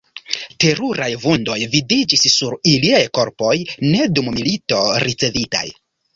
Teruraj vundoj vidiĝis sur iliaj korpoj, ne dum milito ricevitaj.